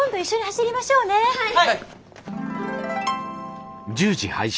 はい！